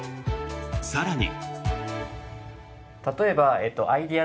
更に。